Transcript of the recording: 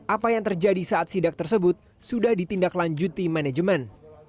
apa yang terjadi saat sidak tersebut sudah ditindaklanjuti manajemen